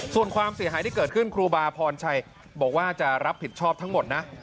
ส่วนความเสียหายที่เกิดขึ้นครูบาพรชัยบอกว่าจะรับผิดชอบทั้งหมดนะ